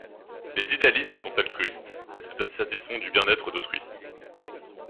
Les Idéalistes sont altruistes et se satisfont du bien-être d'autrui.